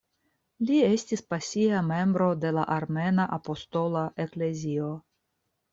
Li estis pasia membro de la Armena Apostola Eklezio.